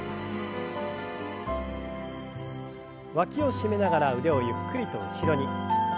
わきを締めながら腕をゆっくりと後ろに。